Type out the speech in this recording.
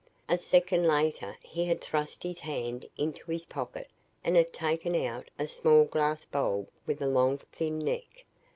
"A second later he had thrust his hand into his pocket and had taken out a small glass bulb with a long thin neck.